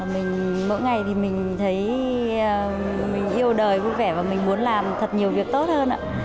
mỗi ngày thì mình thấy mình yêu đời vui vẻ và mình muốn làm thật nhiều việc tốt hơn